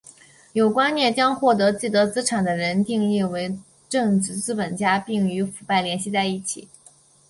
有观念将获得既得资产的人定义为政治资本家并与腐败联系在一起。